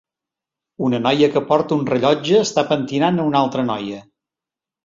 Una noia que porta un rellotge està pentinant a una altra noia.